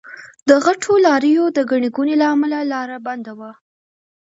د غټو لاريو د ګڼې ګوڼې له امله لار بنده وه.